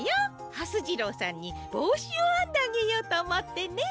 はす次郎さんにぼうしをあんであげようとおもってね。